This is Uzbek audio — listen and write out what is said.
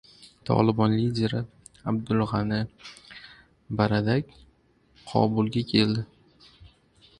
"Tolibon" lideri Abdul G‘ani Baradar Kobulga keldi